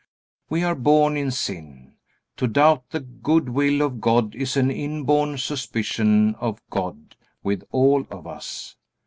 We are born in sin. To doubt the good will of God is an inborn suspicion of God with all of us.